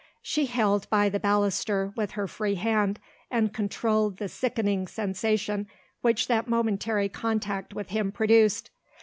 She held by the baluster with her free hand, and controlled the sickening sensation which that momentary contact with him produced.